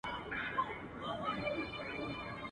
زما په شنو بانډو کي د مغول آسونه ستړي سول.